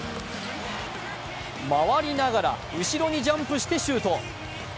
回りながら、後ろにジャンプしてシュート。